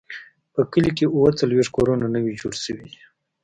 په کلي کې اووه څلوېښت کورونه نوي جوړ شوي دي.